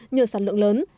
nhờ sản lượng lớn